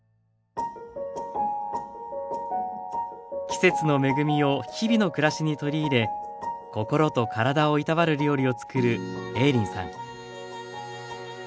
季節の恵みを日々の暮らしに取り入れ心と体をいたわる料理をつくる映林さん。